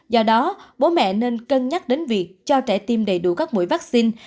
do đó bố mẹ nên cân nhắc đến việc cho trẻ tiêm đầy đủ các mũi vaccine